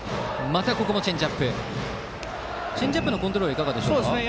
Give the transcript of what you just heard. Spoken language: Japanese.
チェンジアップのコントロールはいかがですか。